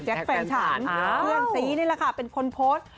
แจ็คแฟนฉานเกือบสีนี่แหละค่ะเป็นคนโพสต์